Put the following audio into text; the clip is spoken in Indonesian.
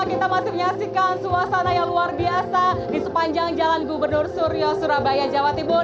kita masih menyaksikan suasana yang luar biasa di sepanjang jalan gubernur suryo surabaya jawa timur